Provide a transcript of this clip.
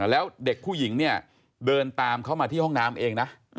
แล้วเด็กผู้หญิงเนี่ยเดินตามเขามาที่ห้องน้ำเองนะ